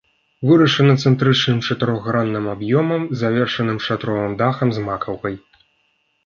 Вырашана цэнтрычным чатырохгранным аб'ёмам, завершаным шатровым дахам з макаўкай.